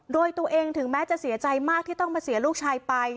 โดยตัวเองถึงแม้จะเสียใจมากที่ต้องมาเสียลูกชายไป